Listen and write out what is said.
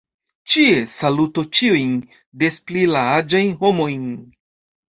Ĉie salutu ĉiujn, des pli la aĝajn homojn.